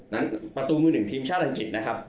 ประตูมือหนึ่งทีมชาติอังกฤษนะครับ